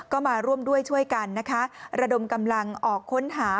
ก็มาร่วมด้วยช่วยกันนะคะระดมกำลังออกค้นหา